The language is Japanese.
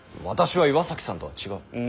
私は岩崎さんとは違う！